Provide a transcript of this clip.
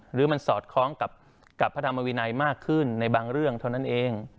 หรือมันสอดคล้องกับพระธรรมวินัยมากขึ้นในบางเรื่องเท่านั้นเอง